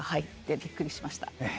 びっくりしました。